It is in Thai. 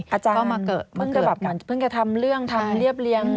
เพิ่งจะถ่ำเรื่องทำเรียบเรียง